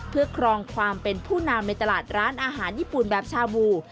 เพื่อครองความเป็นผู้นำในตลาดร้านอาหารญี่ปุ่นแบบชาบู